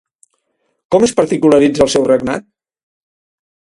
Com es particularitza el seu regnat?